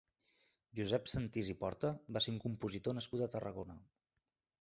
Josep Sentís i Porta va ser un compositor nascut a Tarragona.